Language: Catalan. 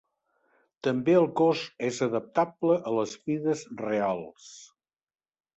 També el cos és adaptable a les mides reals.